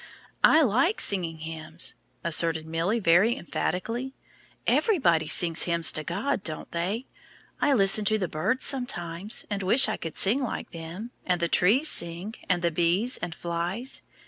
"I like singing hymns," asserted Milly, very emphatically; "everybody sings hymns to God, don't they? I listen to the birds, sometimes, and wish I could sing like them; and the trees sing, and the bees and flies.